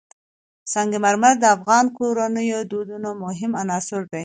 سنگ مرمر د افغان کورنیو د دودونو مهم عنصر دی.